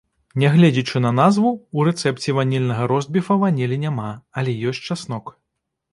Нягледзячы на назву, у рэцэпце ванільнага ростбіфа ванілі няма, але ёсць часнок.